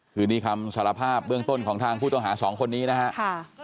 คือนี่คำสารภาพเบื้องต้นของทางผู้ต้องหาสองคนนี้นะครับ